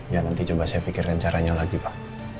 ya nanti coba saya pikirkan caranya lagi pak